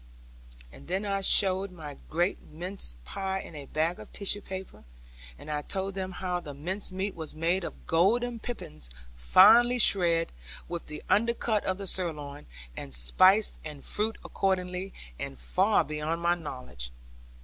And then I showed my great mince pie in a bag of tissue paper, and I told them how the mince meat was made of golden pippins finely shred, with the undercut of the sirloin, and spice and fruit accordingly and far beyond my knowledge.